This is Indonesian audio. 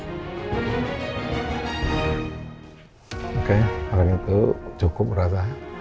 oke hal itu cukup berasa